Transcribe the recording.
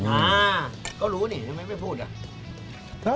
อ่าก็รู้นี่ทำไมไม่พูดอ่ะ